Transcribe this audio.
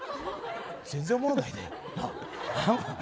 全然おもろないねん。